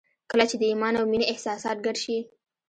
کله چې د ایمان او مینې احساسات ګډ شي